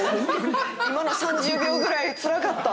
今の３０秒ぐらいつらかった。